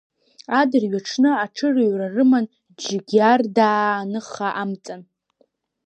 Адырҩаҽны аҽырыҩра рыман Џьгьардаа аныха амҵан.